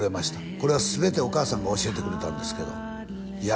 これは全てお母さんが教えてくれたんですけどいや